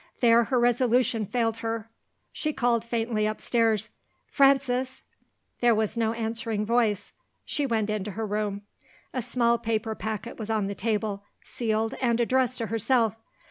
There, her resolution failed her. She called faintly upstairs "Frances!" There was no answering voice. She went into her room. A small paper packet was on the table; sealed, and addressed to herself.